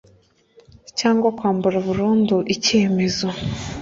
Cyangwa kwamburwa burundu icyemezo